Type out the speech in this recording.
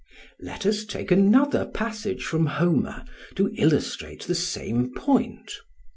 Let us take another passage from Homer to illustrate the same point.